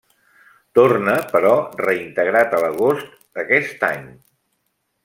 Torna però reintegrat a l'agost d'aquest any.